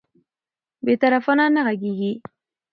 بې طرفانه نه غږیږي